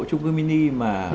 trung cư mini mà